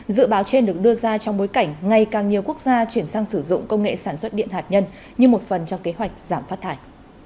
dự báo trên được đưa ra trong bối cảnh ngày càng nhiều quốc gia chuyển sang sử dụng công nghệ sản xuất điện hạt nhân như một phần trong kế hoạch giảm phát thải